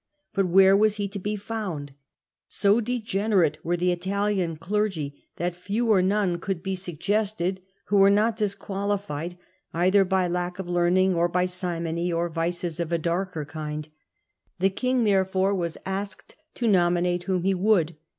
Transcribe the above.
But where was he to be found ? So degenerate p. were the Italian clergy that few or none could be sug ^ Digitized by VjOOQIC Degradation op the Papacy 17 gested who were not disqualified, either by lack of learn ing or by simony, or vices of a darker kind. The king ther efore was asked tp.nominat©^ whom he would.